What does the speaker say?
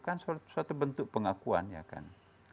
kan suatu bentuk pengakuan ya kan